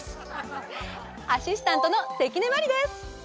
アシスタントの関根麻里です。